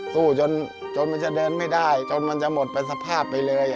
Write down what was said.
สู้จนมันจะเดินไม่ได้จนมันจะหมดไปสภาพไปเลย